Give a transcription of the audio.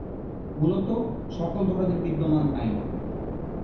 মূলত, সকল ধরনের বিদ্যমান আইন।